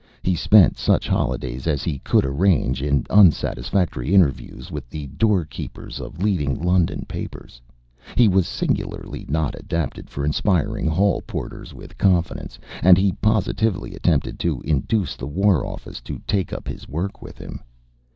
He spent such holidays as he could arrange in unsatisfactory interviews with the door keepers of leading London papers he was singularly not adapted for inspiring hall porters with confidence and he positively attempted to induce the War Office to take up his work with him.